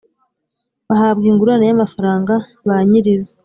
bahabwa ingurane y amafaranga ba nyir izo